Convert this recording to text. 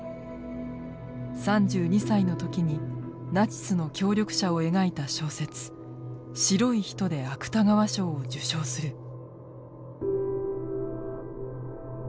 ３２歳の時にナチスの協力者を描いた小説「白い人」で芥川賞を受賞する。